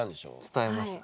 伝えました。